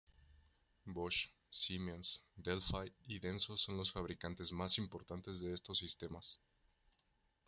Bosch, Siemens, Delphi y Denso son los fabricantes más importantes de estos sistemas.